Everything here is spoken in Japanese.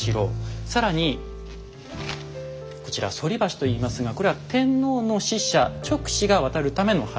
更にこちら「反橋」と言いますがこれは天皇の使者勅使が渡るための橋。